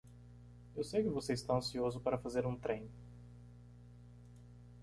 Eu sei que você está ansioso para fazer um trem.